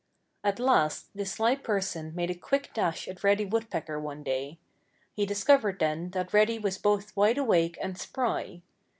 At last this sly person made a quick dash at Reddy Woodpecker one day. He discovered, then, that Reddy was both wide awake and spry.